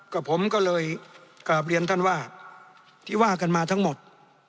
กับผมก็เลยกลับเรียนท่านว่าที่ว่ากันมาทั้งหมด